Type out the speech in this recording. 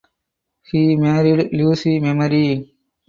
He married Lucy Memory.